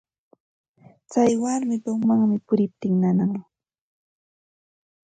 Tsay warmapa umanmi puriptin nanan.